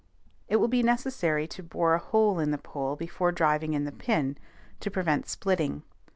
It will be necessary to bore a hole in the pole before driving in the pin, to prevent splitting.